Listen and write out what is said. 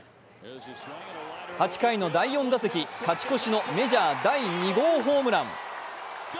８回の第４打席、勝ち越しのメジャー第２号ホームラン。